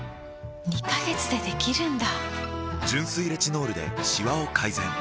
２カ月でできるんだ！